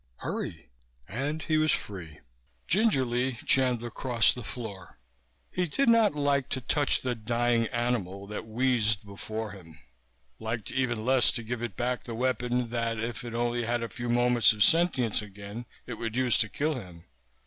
Hurry." And he was free. Gingerly Chandler crossed the floor. He did not like to touch the dying animal that wheezed before him, liked even less to give it back the weapon that, if it had only a few moments of sentience again, it would use to kill him.